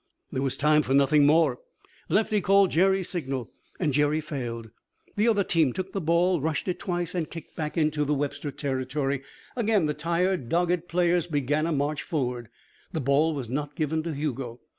There was time for nothing more. Lefty called Jerry's signal, and Jerry failed. The other team took the ball, rushed it twice, and kicked back into the Webster territory. Again the tired, dogged players began a march forward. The ball was not given to Hugo.